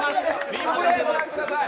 リプレーご覧ください。